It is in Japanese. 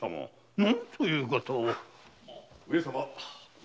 何ということを！